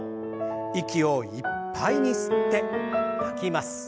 息をいっぱいに吸って吐きます。